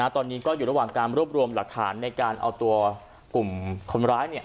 ตอนนี้ก็อยู่ระหว่างการรวบรวมหลักฐานในการเอาตัวกลุ่มคนร้าย